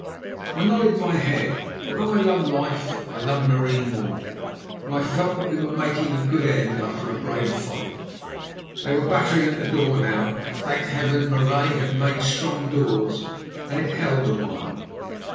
I nodded my head, for though I loved life, I loved Marie more, and I felt that we were making a good end after a brave fight. They were battering at the door now, but, thank Heaven, Marais had made strong doors, and it held a while.